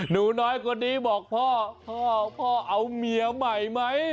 หนูน้อยคนนี้บอกพ่อพ่อเอาเมียใหม่ไหม